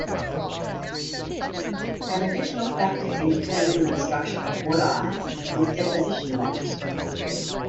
An additional factor in determining the structure of water ice is deposition rate.